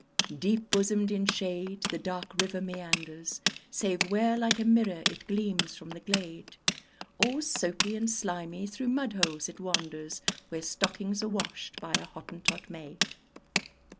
Deep bosomed in shade the dark river meanders, Save where, like a mirror, it gleams from the glade; Or soapy and slimy through mud holes it wanders, Where stockings are washed by a Hottentot maid.